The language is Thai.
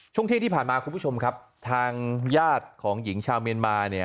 ช่วงเที่ยงที่ผ่านมาคุณผู้ชมครับทางญาติของหญิงชาวเมียนมาเนี่ย